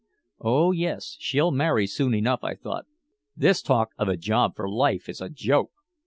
"Oh, yes, she'll marry soon enough," I thought. "This talk of a job for life is a joke."